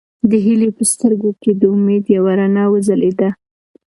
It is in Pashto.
د هیلې په سترګو کې د امید یوه رڼا وځلېده.